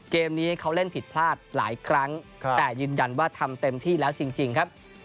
เกมนี้เขาเล่นผิดพลาดหลายครั้งแต่ยืนยันว่าทำเต็มที่แล้วจริงครับ